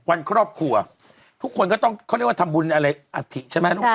วันครอบครัวทุกคนก็ต้องเขาเรียกว่าทำบุญอะไรอัฐิใช่ไหมลูก